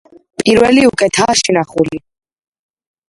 პირველი უკეთაა შენახული.